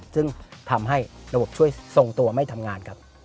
ซึ่งทำให้ระบบช่วยทรงตัวไม่ทำงานครับ